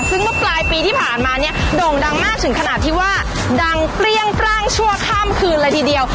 ซึ่งเมื่อปลายปีที่ผ่านมาเนี่ยโด่งดังมากถึงขนาดที่ว่าดังเปรี้ยงปร่างชั่วข้ามคืนเลยทีเดียว